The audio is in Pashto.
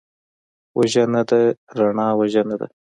وژنه د رڼا وژنه ده